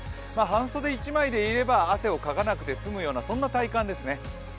半袖１枚でいれば汗をかかなくて済むようなそんな体感ですね。